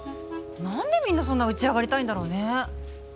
なんでみんなそんな打ち上がりたいんだろうね。